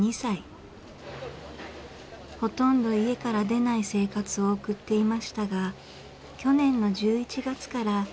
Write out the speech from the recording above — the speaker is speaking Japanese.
ほとんど家から出ない生活を送っていましたが去年の１１月から足を運んでいます。